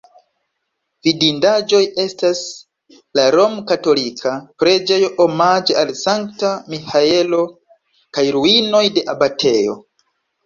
Vidindaĵoj estas la romkatolika preĝejo omaĝe al Sankta Miĥaelo kaj ruinoj de abatejo.